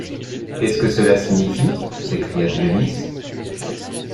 Qu’est-ce que cela signifie? s’écria Dionis.